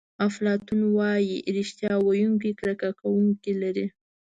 افلاطون وایي ریښتیا ویونکی کرکه کوونکي لري.